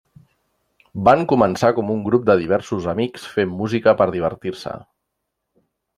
Van començar com un grup de diversos amics fent música per divertir-se.